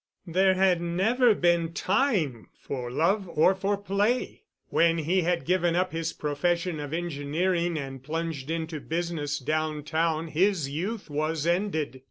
There had never been time for love or for play. When he had given up his profession of engineering and plunged into business downtown his youth was ended.